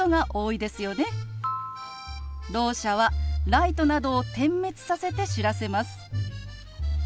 ろう者はライトなどを点滅させて知らせます。